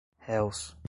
réus